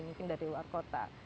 mungkin dari luar kota